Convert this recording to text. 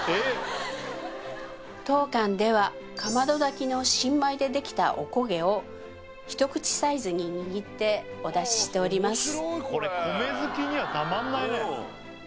当館ではかまど炊きの新米でできたおこげを一口サイズに握ってお出ししております